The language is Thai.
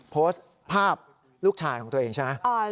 โพสต์ภาพลูกชายของตัวเองใช่ไหม